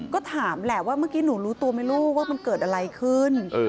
ก็ถามแหละว่าเมื่อกี้หนูรู้ตัวไหมลูกว่ามันเกิดอะไรขึ้น